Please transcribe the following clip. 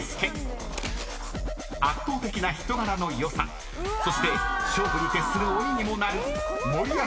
［圧倒的な人柄の良さそして勝負に徹する鬼にもなる］